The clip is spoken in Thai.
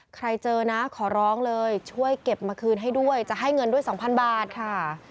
ใครเจอนะขอร้องเลยช่วยเก็บมาคืนให้ด้วยจะให้เงินด้วย๒๐๐บาทค่ะ